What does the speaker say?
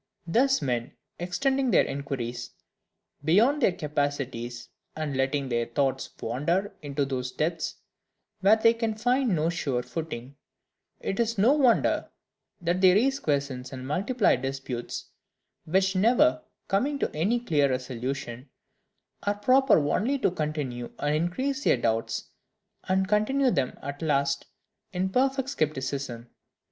Thus men, extending their inquiries beyond their capacities, and letting their thoughts wander into those depths where they can find no sure footing, it is no wonder that they raise questions and multiply disputes, which, never coming to any clear resolution, are proper only to continue and increase their doubts, and to confirm them at last in perfect scepticism.